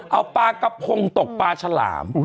เอาปลากระพงตกปลาฉลาม